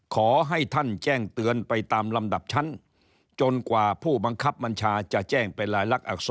ขอให้ท่านแจ้งเตือนไปตามลำดับชั้นจนกว่าผู้บังคับบัญชาจะแจ้งเป็นลายลักษร